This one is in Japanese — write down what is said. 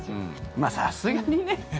まあ、さすがにね。